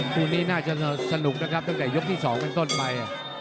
คู่นี้น่าจะสนุกนะครับตั้งแต่ยกที่๒เป็นต้นไป